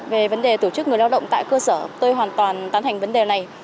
về vấn đề tổ chức người lao động tại cơ sở tôi hoàn toàn tán thành vấn đề này